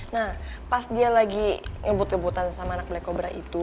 nah pas dia lagi ngebut ngebutan sama anak black cobra itu